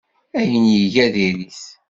Ayen ay iga diri-t.